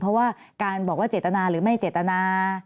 เพราะว่าการบอกว่าเจตนาหรือไม่เจตนา